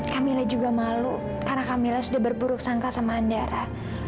kamila juga malu karena kamila sudah berburuk sangka sama handara